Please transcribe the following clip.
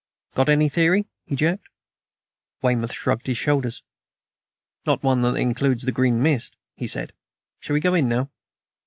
"Got any theory?" he jerked. Weymouth shrugged his shoulders. "Not one that includes the green mist," he said. "Shall we go in now?"